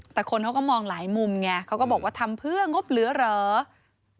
แต่คนเขาก็มองหลายมุมไงเขาก็บอกว่าทำเพื่องบเหลือเหรอ